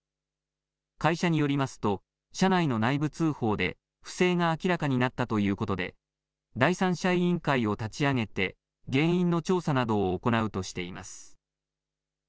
会社によりますと社内の内部通報で不正が明らかになったということで第三者委員会を立ち上げて原因の調査などを行うとしています。